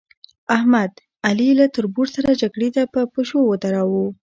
احمد؛ علي له تربرو سره جګړې ته په پشو ودراوو.